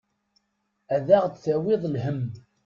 Ad aɣ-d-tawiḍ lhemm.